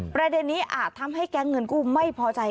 ประเด็นนี้อาจทำให้แก๊งเงินกู้ไม่พอใจ